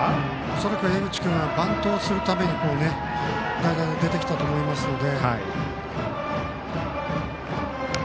恐らく江口君はバントをするために代打で出てきたと思いますので。